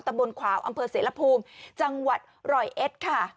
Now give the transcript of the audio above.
บนขวาวอำเภอเสรภูมิจังหวัดร้อยเอ็ดค่ะ